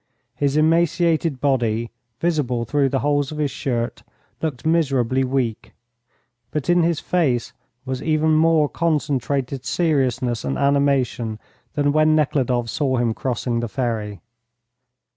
His emaciated body, visible through the holes of his shirt, looked miserably weak, but in his face was even more concentrated seriousness and animation than when Nekhludoff saw him crossing the ferry.